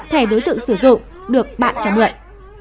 thẻ đối tượng sử dụng được bạn trả nguyện